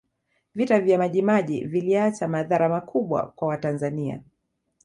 vita vya majimaji viliacha madhara makubwa kwa watanzania